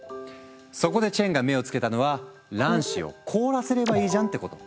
そこでチェンが目を付けたのは卵子を凍らせればいいじゃんってこと。